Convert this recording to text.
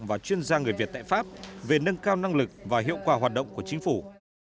và chuyên gia người việt tại pháp về nâng cao năng lực và hiệu quả hoạt động của chính phủ